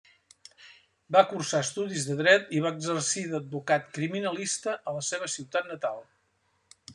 Va cursar estudis de Dret i va exercir d'advocat criminalista a la seva ciutat natal.